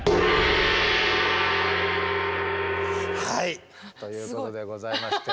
はいということでございまして。